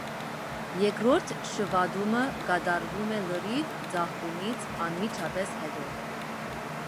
Երկրորդ շվատումը կատարվում է լրիվ ծաղկումից անմիջապես հետո։